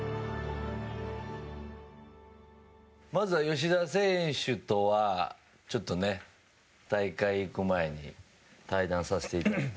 まずは吉田選手とはちょっとね、大会行く前に対談させていただいて。